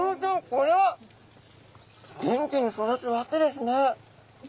これは元気に育つわけですね。